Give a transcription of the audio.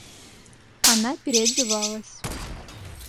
Она переодевалась.